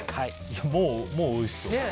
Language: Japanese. もうおいしそう。